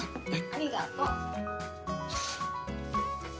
ありがとう。